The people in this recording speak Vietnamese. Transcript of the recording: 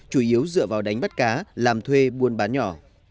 chủ yếu dựa vào đánh bắt cá làm thuê buôn bán nhỏ